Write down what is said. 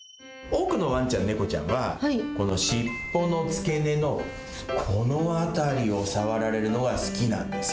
多くのわんちゃん、猫ちゃんは、この尻尾の付け根のこの辺りを触られるのは好きなんです。